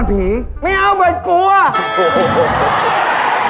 น้ำเบิดเดี๋ยวน้ำเบิดอย่ากลัวเลย